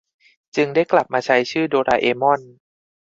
จึงได้กลับมาใช้ชื่อโดราเอมอน